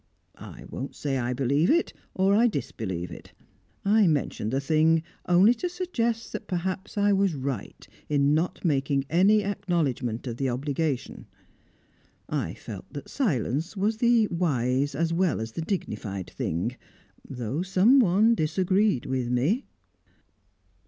I won't say I believe it, or that I disbelieve it. I mention the thing only to suggest that perhaps I was right in not making any acknowledgment of that obligation. I felt that silence was the wise as well as the dignified thing though someone disagreed with me."